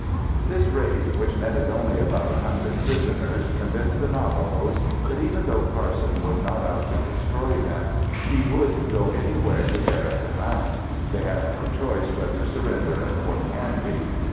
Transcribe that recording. _ This raid, which netted only about 100 prisoners, convinced the Navajos that even though Carson was not out to destroy them, he would go anywhere to ferret them out. They had no choice but to surrender at Fort Canby.